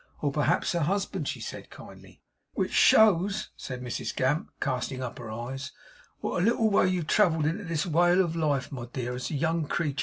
Or perhaps her husband, she said kindly. 'Which shows,' said Mrs Gamp, casting up her eyes, 'what a little way you've travelled into this wale of life, my dear young creetur!